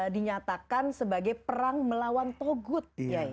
dinyatakan sebagai perang melawan togut